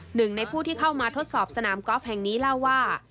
หนึ่งในผู้ที่เข้ามาทดสอบสนามกอล์ฟแห่งนี้เล่าว่า